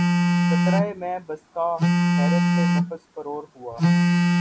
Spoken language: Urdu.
قطرہٴ مے بسکہ حیرت سے نفس پرور ہوا